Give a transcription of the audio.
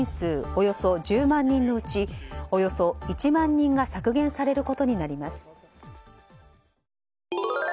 およそ１０万人のうちおよそ１万人が削減されることになります。